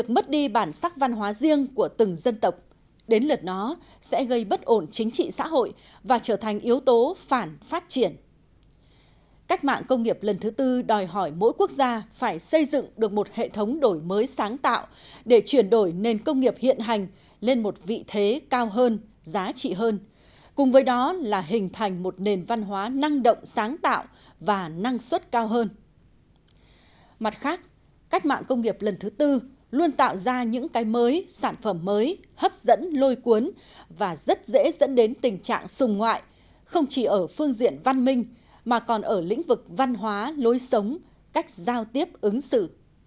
mặt khác cách mạng công nghiệp lần thứ tư luôn tạo ra những cái mới sản phẩm mới hấp dẫn lôi cuốn và rất dễ dẫn đến tình trạng sùng ngoại không chỉ ở phương diện văn minh mà còn ở lĩnh vực văn hóa lối sống cách giao tiếp ứng xử